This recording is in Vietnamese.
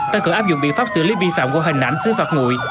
tăng cử áp dụng biện pháp xử lý vi phạm của hình ảnh xứ phạt nguội